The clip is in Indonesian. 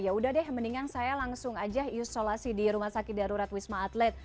ya udah deh mendingan saya langsung aja isolasi di rumah sakit darurat wisma atlet